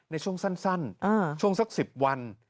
ในช่วงสั้นช่วงสัก๑๐วัน